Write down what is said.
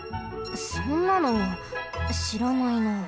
そんなのしらないなあ。